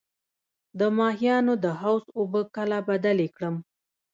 د ماهیانو د حوض اوبه کله بدلې کړم؟